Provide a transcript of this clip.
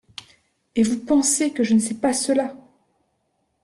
Et vous pensez que je ne sais pas cela ?